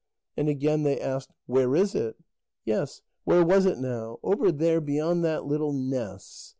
And again they asked: "Where is it?" "Yes ... where was it now ... over there beyond that little ness."